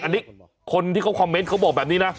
อันนี้คนที่เขาคอมเมนต์เขาบอกแบบนี้นะ